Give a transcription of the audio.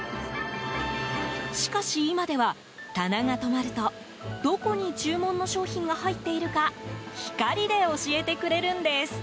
しかし、今では棚が止まるとどこに注文の商品が入っているか光で教えてくれるんです。